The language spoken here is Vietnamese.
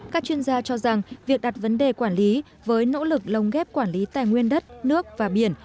các chuyên gia cho rằng việc đặt vấn đề quản lý với nỗ lực lồng ghép quản lý tài nguyên đất nước và biển